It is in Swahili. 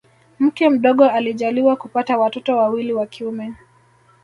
Mke mdogo alijaliwa kupata watoto wawili wa kiume